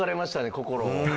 心を。